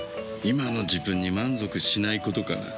今の自分に満足しないことかな。